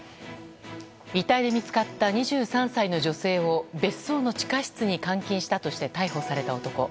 遺体で見つかった２３歳の女性を別荘の地下室に監禁したとして逮捕された男。